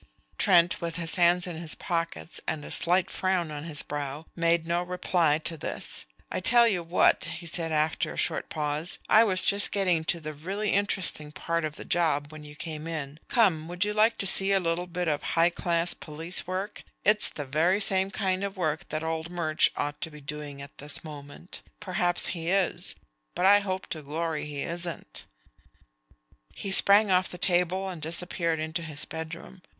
Trent, with his hands in his pockets and a slight frown on his brow, made no reply to this. "I tell you what," he said after a short pause, "I was just getting to the really interesting part of the job when you came in. Come: would you like to see a little bit of high class police work? It's the very same kind of work that old Murch ought to be doing at this moment. Perhaps he is; but I hope to glory he isn't." He sprang off the table and disappeared into his bedroom.